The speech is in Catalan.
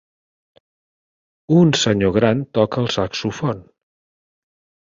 Un senyor gran toca el saxofon.